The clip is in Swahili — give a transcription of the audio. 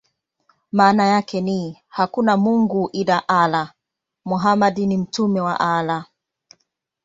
Maana yake ni: "Hakuna mungu ila Allah; Muhammad ni mtume wa Allah".